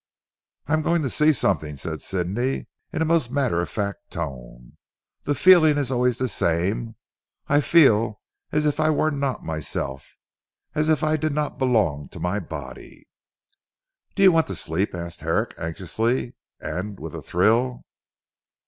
"I'm going to see something," said Sidney in a most matter of fact tone, "the feeling is always the same. I feel as if I were not myself; as if I did not belong to my body." "Do you want to sleep?" asked Herrick anxiously and with a thrill.